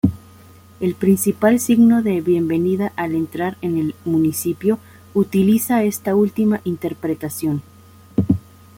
El principal signo de bienvenida al entrar en el municipio utiliza esta última interpretación.